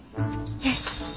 よし。